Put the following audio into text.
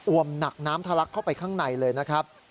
วมหนักน้ำทะลักเข้าไปข้างในเลยนะครับ